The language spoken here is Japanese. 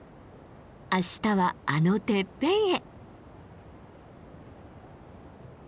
明日はあのてっぺんへ。